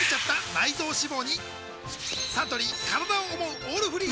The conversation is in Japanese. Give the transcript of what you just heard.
サントリー「からだを想うオールフリー」